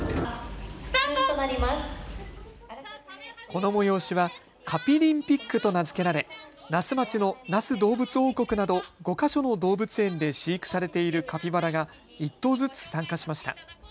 この催しはカピリンピックと名付けられ那須町の那須どうぶつ王国など５か所の動物園で飼育されているカピバラが１頭ずつ参加しました。